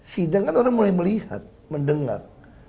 sidang kan orang mulai melihat mendengar